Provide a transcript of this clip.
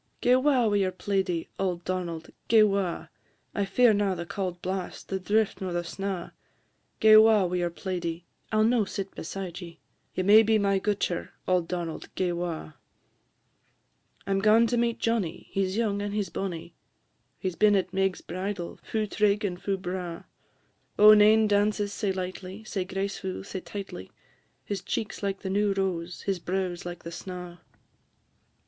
"Gae 'wa wi' your plaidie, auld Donald, gae 'wa, I fear na the cauld blast, the drift, nor the snaw; Gae 'wa wi' your plaidie, I 'll no sit beside ye; Ye may be my gutcher; auld Donald, gae 'wa. I 'm gaun to meet Johnnie, he 's young and he 's bonnie; He 's been at Meg's bridal, fu' trig and fu' braw; Oh, nane dances sae lightly, sae gracefu', sae tightly! His cheek 's like the new rose, his brow 's like the snaw."